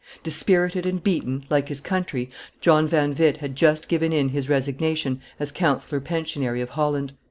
Dispirited and beaten, like his country, John van Witt had just given in his resignation as councillor pensionary of Holland.